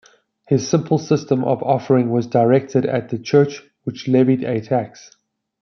His simple system of offering was directed against the church which levied a tax.